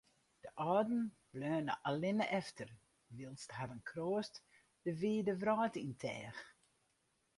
De âlden bleaune allinne efter, wylst harren kroast de wide wrâld yn teach.